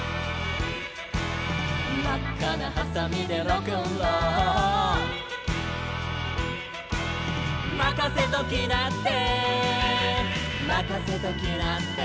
「まっかなはさみでロックンロール」「まかせときなってまかせときなって」